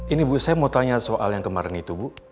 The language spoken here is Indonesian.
ini bu saya mau tanya soal yang kemarin itu bu